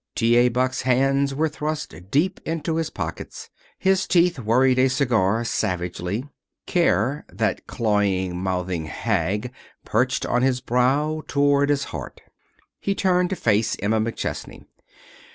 T. A. Buck's hands were thrust deep into his pockets. His teeth worried a cigar, savagely. Care, that clawing, mouthing hag, perched on his brow, tore at his heart. He turned to face Emma McChesney.